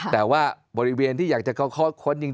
ค่ะค่ะแต่บริเวณที่อยากจะเขาค้นจริงจริง